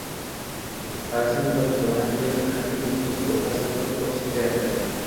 Qarasam, bir domangir qariyb yo‘lning o‘rtasida turib, qo‘l siltayapti.